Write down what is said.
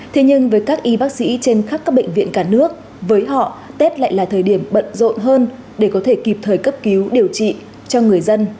thế nhưng với các y bác sĩ trên khắp các bệnh viện cả nước với họ tết lại là thời điểm bận rộn hơn để có thể kịp thời cấp cứu điều trị cho người dân